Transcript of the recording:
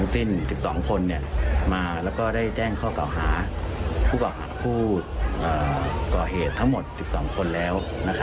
ทั้งสิ้น๑๒คนก็ได้แจ้งข้อเกลาหาห้วก่อเหตุ๑๒คนแล้ว